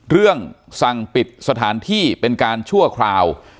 เรื่องสั่งปิดสถานที่เป็นการชั่วคราว